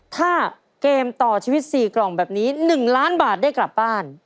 ถ้าเกมต่อชีวิต๔กล่องแบบนี้๑ล้านบาทได้กลับบ้าน